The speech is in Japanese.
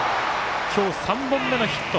今日３本目のヒット。